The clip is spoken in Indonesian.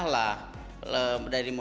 itu adalah yang paling penting